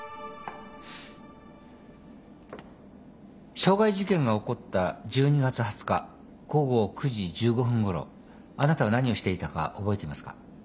傷害事件が起こった１２月２０日午後９時１５分ごろあなたは何をしていたか覚えていますか。